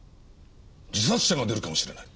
自殺者が出るかもしれない。